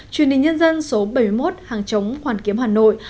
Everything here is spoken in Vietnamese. truyền hình nhân dân số bảy mươi một hàng chống hoàn kiếm hà nội